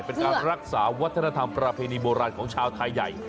เป็นการรักษาวัฒนธรรมประเพณีโบราณของชาวไทยใหญ่